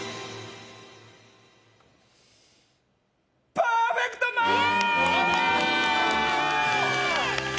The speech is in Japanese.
パーフェクトマッチ！